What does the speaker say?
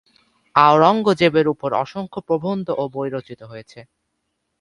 আওরঙ্গজেবের উপর অসংখ্য প্রবন্ধ ও বই রচিত হয়েছে।